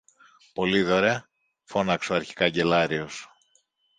Πολύδωρε! φώναξε ο αρχικαγκελάριος.